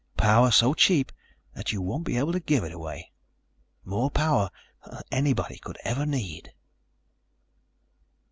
Power so cheap that you won't be able to give it away. More power than anybody could ever need."